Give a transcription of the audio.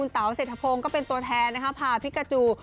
เต๋าเศรษฐพงศ์ก็เป็นตัวแทนพาพิกาจู